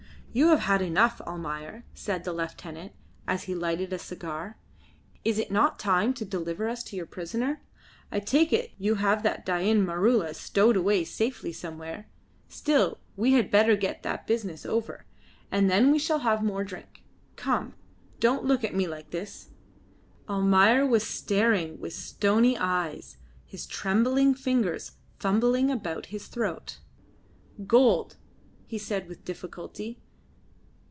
"You have had enough, Almayer," said the lieutenant, as he lighted a cigar. "Is it not time to deliver to us your prisoner? I take it you have that Dain Maroola stowed away safely somewhere. Still we had better get that business over, and then we shall have more drink. Come! don't look at me like this." Almayer was staring with stony eyes, his trembling fingers fumbling about his throat. "Gold," he said with difficulty.